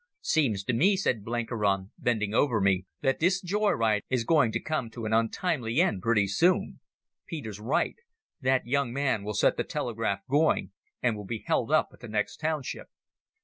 "Seems to me," said Blenkiron, bending over me, "that this joy ride is going to come to an untimely end pretty soon. Peter's right. That young man will set the telegraph going, and we'll be held up at the next township."